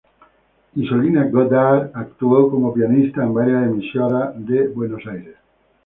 Isolina Godard actuó como pianista en varias emisoras de Buenos Aires.